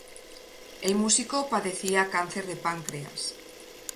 El músico padecía cáncer de páncreas.